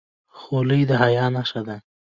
خولۍ د حیا نښه ده.